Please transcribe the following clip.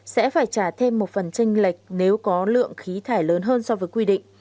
sẽ phải trả thêm một phần tranh lệch nếu có lượng khí thải lớn hơn so với quy định